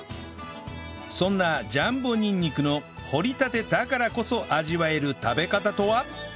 そんなジャンボにんにくの掘りたてだからこそ味わえる食べ方とは？